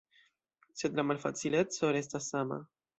Sed la malfacileco restas sama.